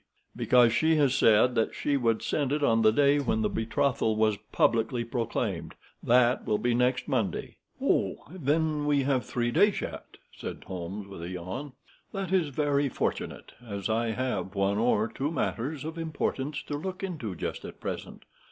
"Because she has said that she would send it on the day when the betrothal was publicly proclaimed. That will be next Monday." "Oh, then we have three days yet," said Holmes, with a yawn. "That is very fortunate, as I have one or two matters of importance to look into just at present.